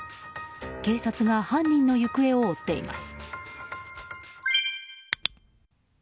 警察が犯人の行方を追っています。